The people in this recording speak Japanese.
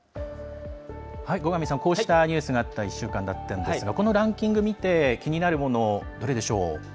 こうしたニュースがあった１週間だったんですがこのランキング見て気になるもの、どれでしょう？